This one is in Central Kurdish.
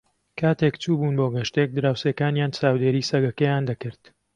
کاتێک چوو بوون بۆ گەشتێک، دراوسێکانیان چاودێریی سەگەکەیان دەکرد.